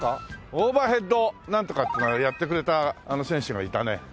オーバーヘッドなんとかっていうのをやってくれたあの選手がいたね。